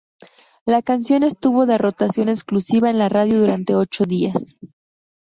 La canción estuvo de rotación exclusiva en la radio durante ocho días.